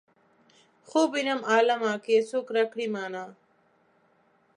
خوب وينم عالمه که یې څوک راکړل مانا.